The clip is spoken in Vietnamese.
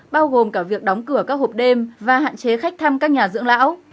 bao gồm cả việc đóng cửa các hộp đêm và hạn chế khách thăm các nhà dưỡng lão